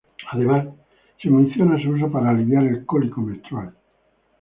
Además, se menciona su uso para aliviar el cólico menstrual.